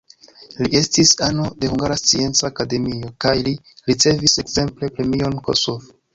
Li estis ano de Hungara Scienca Akademio kaj li ricevis ekzemple premion Kossuth.